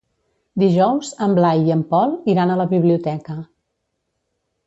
Dijous en Blai i en Pol iran a la biblioteca.